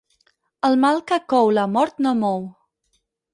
El mal que cou la mort no mou.